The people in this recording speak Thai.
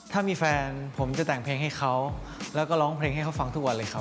ถ้ามีแฟนผมจะแต่งเพลงให้เขาแล้วก็ร้องเพลงให้เขาฟังทุกวันเลยครับ